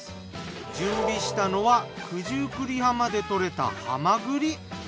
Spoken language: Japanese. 準備したのは九十九里浜でとれたハマグリ。